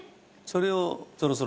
それを。